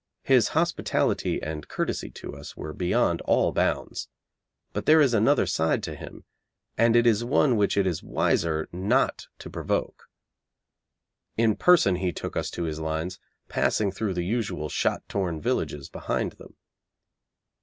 His hospitality and courtesy to us were beyond all bounds, but there is another side to him, and it is one which it is wiser not to provoke. In person he took us to his lines, passing through the usual shot torn villages behind them.